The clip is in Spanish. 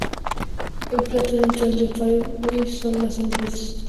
El plato central de "Five Guys" son las hamburguesas.